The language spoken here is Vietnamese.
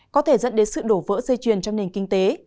có thể dẫn đến sự đổ vỡ dây chuyền trong nền kinh tế